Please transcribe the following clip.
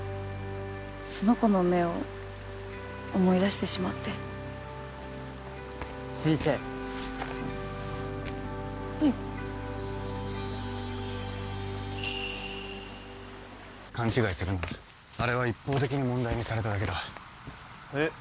その子の目を思い出してしまって先生はい勘違いするなあれは一方的に問題にされただけだえっ